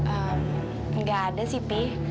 ehm enggak ada sih pi